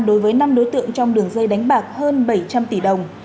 đối với năm đối tượng trong đường dây đánh bạc hơn bảy trăm linh tỷ đồng